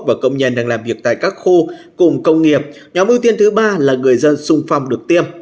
và công nhân đang làm việc tại các khu cùng công nghiệp nhóm ưu tiên thứ ba là người dân xung phong được tiêm